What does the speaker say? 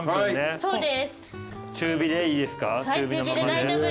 そうです。